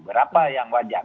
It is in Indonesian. berapa yang wajar